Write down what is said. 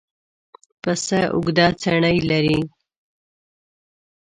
پسه اوږده څڼې لري.